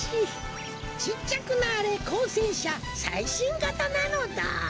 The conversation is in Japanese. ちっちゃくなーれこうせんしゃさいしんがたなのだ！